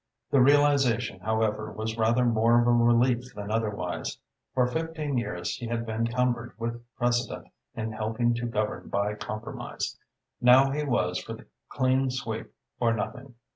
The realisation, however, was rather more of a relief than otherwise. For fifteen years he had been cumbered with precedent in helping to govern by compromise. Now he was for the clean sweep or nothing.